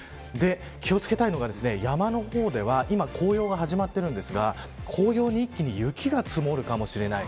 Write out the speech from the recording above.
気を付けたいのが、山の方では今、紅葉が始まってるんですが紅葉に一気に雪が積もるかもしれない。